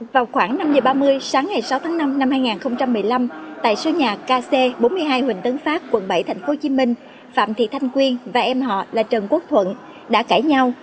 vào khoảng năm giờ ba mươi sáng ngày sáu tháng năm năm hai nghìn một mươi năm tại số nhà kc bốn mươi hai huỳnh tấn phát quận bảy tp hcm phạm thị thanh quyên và em họ là trần quốc thuận đã cãi nhau